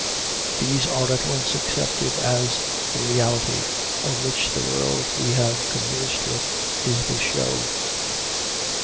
These are at once accepted as the reality, of which the world we have conversed with is the show.